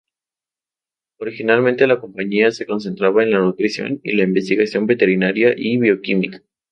Originalmente la compañía se concentraba en la nutrición y la investigación veterinaria y bioquímica.